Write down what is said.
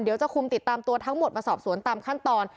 เดี๋ยวจะคุมติดตามตัวทั้งหมดมาสอบสวนตามขั้นตอน